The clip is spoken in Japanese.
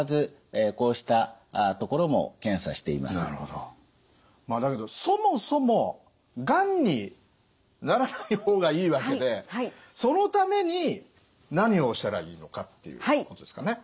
まあだけどそもそもがんにならない方がいいわけでそのために何をしたらいいのかっていうことですかね。